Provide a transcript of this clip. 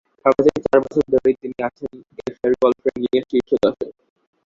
সর্বশেষ চার বছর ধরেই তিনি আছেন এশিয়ার গলফ র্যাঙ্কিংয়ের শীর্ষ দশে।